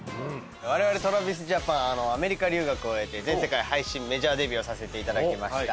我々ＴｒａｖｉｓＪａｐａｎアメリカ留学を終えて全世界配信メジャーデビューをさせていただきました。